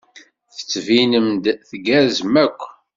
Tettbinem-d tgerrzem akk.